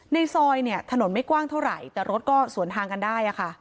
ในซอยเนี่ยถนนไม่กว้างเท่าไหร่แต่รถก็สวนทางกันได้ค่ะ